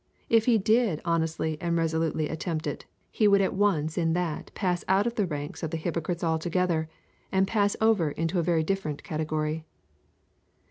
If he ever did honestly and resolutely attempt it, he would at once in that pass out of the ranks of the hypocrites altogether and pass over into a very different category.